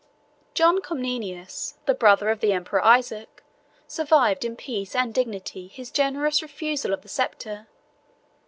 John Comnenus, the brother of the emperor Isaac, survived in peace and dignity his generous refusal of the sceptre.